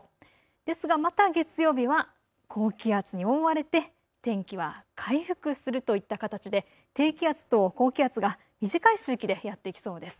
ですがまた月曜日は高気圧に覆われて天気は回復するといった形で低気圧と高気圧が短い周期でやって来そうです。